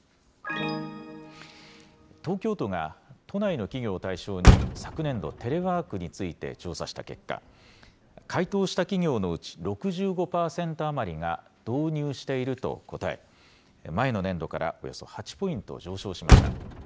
東京都が都内の企業を対象に昨年度、テレワークについて調査した結果、回答した企業のうち６５％余りが、導入していると答え、前の年度からおよそ８ポイント上昇しました。